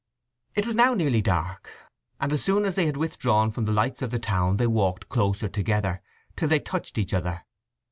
It was now nearly dark, and as soon as they had withdrawn from the lights of the town they walked closer together, till they touched each other.